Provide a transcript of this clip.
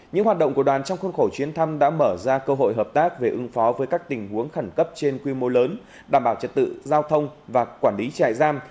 những hoạt động của đoàn trong khuôn khổ chuyến thăm đã mở ra cơ hội hợp tác về ứng phó với các tình huống khẩn cấp trên quy mô lớn đảm bảo trật tự giao thông và quản lý trại giam